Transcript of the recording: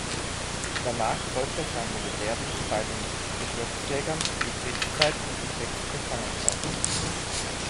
Danach folgte sein Militärdienst bei den Gebirgsjägern, die Kriegszeit und die Kriegsgefangenschaft.